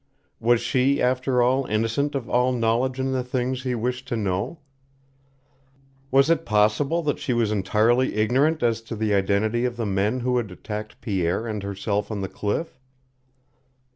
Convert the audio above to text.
Was she, after all, innocent of all knowledge in the things he wished to know? Was it possible that she was entirely ignorant as to the identity of the men who had attacked Pierre and herself on the cliff?